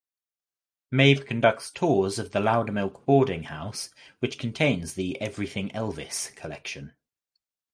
Mabe conducts tours of The Loudermilk Boarding House which contains the "Everything Elvis" collection.